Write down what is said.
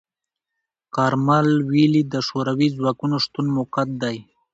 کارمل ویلي، د شوروي ځواکونو شتون موقت دی.